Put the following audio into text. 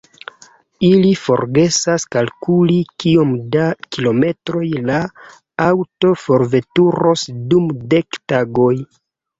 Ili forgesas kalkuli kiom da kilometroj la aŭto forveturos dum dek tagoj.